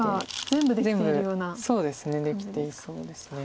全部そうですねできていそうです。